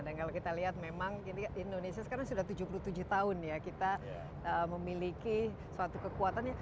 dan kalau kita lihat memang indonesia sekarang sudah tujuh puluh tujuh tahun ya kita memiliki suatu kekuatannya